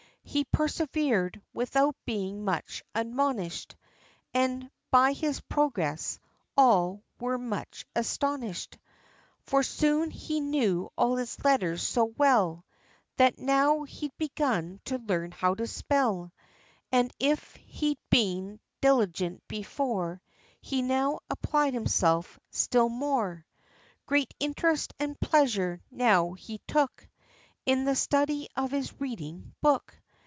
33 He persevered, without being much admonished, And, by his progress, all were much astonished; For soon he knew all his letters so well, That now he'd begun to learn how to spell. And if he'd been diligent before, He now applied himself still more. Great interest and pleasure now he took In the study of his reading book.